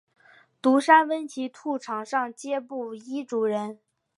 独山翁奇兔场上街布依族人。